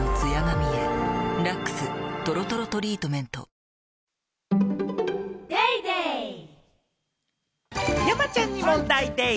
新発売山ちゃんに問題でぃす。